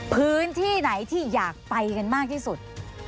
พื้นที่ไหนที่อยากไปกันมากที่สุด